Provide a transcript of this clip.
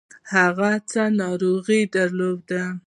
هغوی څه ناروغي درلوده؟